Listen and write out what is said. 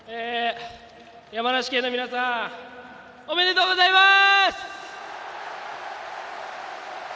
山梨県の皆さんおめでとうございます！